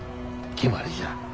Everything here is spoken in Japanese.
決まりじゃ。